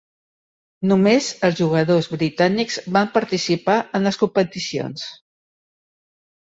Només els jugadors britànics van participar en les competicions.